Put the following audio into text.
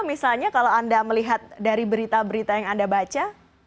misalnya kalau anda melihat dari berita berita yang anda baca